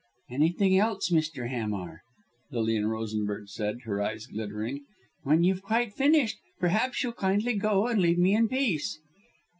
"Anything else Mr. Hamar!" Lilian Rosenberg said, her eyes glittering. "When you've quite finished, perhaps you'll kindly go and leave me in peace."